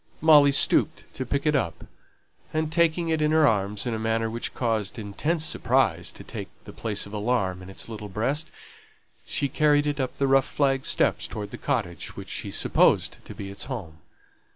Molly stooped to pick it up, and taking it in her arms in a manner which caused intense surprise to take the place of alarm in its little breast, she carried it up the rough flag steps towards the cottage which she supposed to be its home.